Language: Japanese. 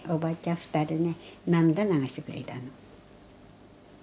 ２人ね涙流してくれたの。